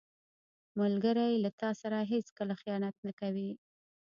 ملګری له تا سره هیڅکله خیانت نه کوي